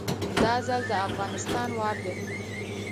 دا ځل د افغانستان وار دی